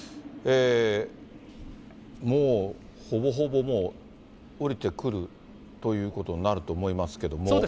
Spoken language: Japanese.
もうほぼほぼもう、降りてくるということになると思いますけども。